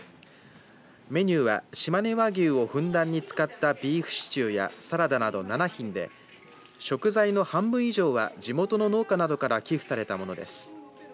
メニューは、しまね和牛をふんだんに使ったビーフシチューやサラダなど７品で食材の半分以上は地元の農家などから寄付されたものです。